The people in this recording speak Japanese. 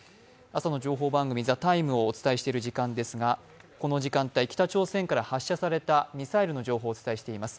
朝の情報番組、「ＴＨＥＴＩＭＥ，」をお伝えしている時間ですがこの時間帯、北朝鮮から発射されたミサイルの情報をお伝えしています。